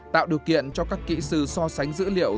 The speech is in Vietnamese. tạo điều kiện cho các kỹ sư so sánh dữ liệu